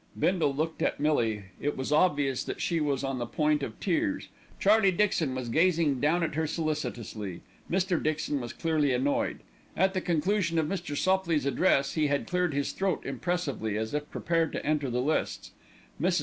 Bindle looked at Millie; it was obvious that she was on the point of tears. Charlie Dixon was gazing down at her solicitously. Mr. Dixon was clearly annoyed. At the conclusion of Mr. Sopley's address he had cleared his throat impressively, as if prepared to enter the lists. Mrs.